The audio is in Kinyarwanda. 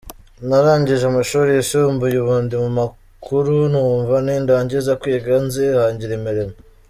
Narangije amashuri yisumbuye, ubu ndi mu makuru, numva nindangiza kwiga nzihangira imirimo.